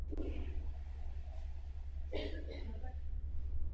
Obsahuje celkem tři dlouhé skladby.